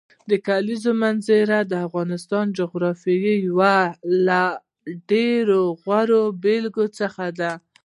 د کلیزو منظره د افغانستان د جغرافیې یو له ډېرو غوره بېلګو څخه ده.